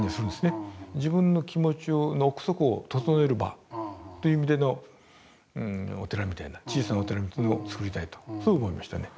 自分の気持ちの奥底を整える場という意味でのお寺みたいな小さなお寺をつくりたいとそう思いましたね。